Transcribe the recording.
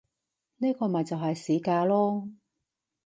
呢個咪就係市價囉